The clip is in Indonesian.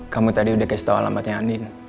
kamu tadi udah kasih tau alamatnya andin